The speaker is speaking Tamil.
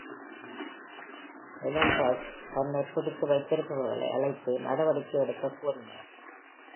Melampus தன்னைப் பிடித்து வைத்திருப்பவர்களை அழைத்து நடவடிக்கை எடுக்கக் கோரினார்.